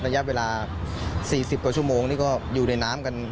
ระยะเวลา๔๐กว่าชั่วโมงนี่ก็อยู่ในน้ำกัน